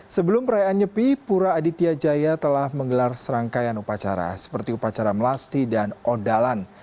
sebelum perayaan nyepi pura aditya jaya telah menggelar serangkaian upacara seperti upacara melasti dan ondalan